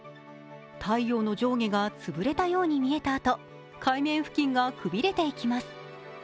太陽の上下が潰れたように見えたあと海面付近がくびれていきます。